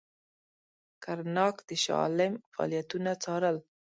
کرناک د شاه عالم فعالیتونه څارل.